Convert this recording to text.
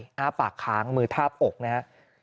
หน้าปากค้างมือทาบอกนะครับ